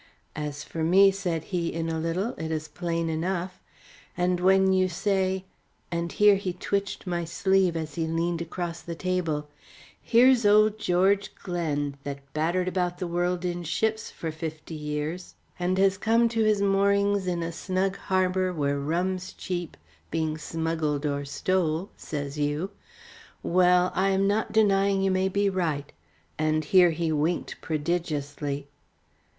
"As for me," said he in a little, "it is plain enough. And when you say" and here he twitched my sleeve as he leaned across the table "'here's old George Glen, that battered about the world in ships for fifty years, and has come to his moorings in a snug harbor where rum's cheap, being smuggled or stole', says you well, I am not denying you may be right;" and here he winked prodigiously.